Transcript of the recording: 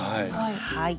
はい。